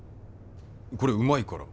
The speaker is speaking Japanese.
これうまいから。